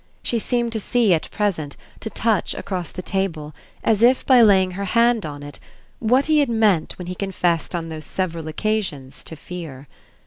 She seemed to see at present, to touch across the table, as if by laying her hand on it, what he had meant when he confessed on those several occasions to fear.